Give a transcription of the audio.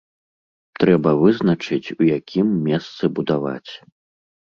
Трэба вызначыць, у якім месцы будаваць.